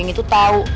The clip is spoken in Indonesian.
yang itu tau